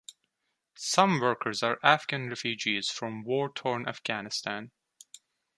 Some workers are Afghan refugees from war-torn Afghanistan.